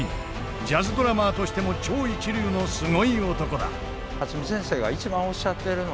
ジャズドラマーとしても超一流のすごい男だ。